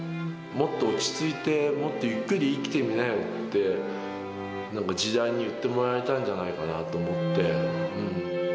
もっと落ち着いて、もっとゆっくり生きてみなよって、なんか、時代に言ってもらえたん